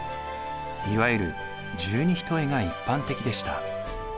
いわゆる十二単が一般的でした。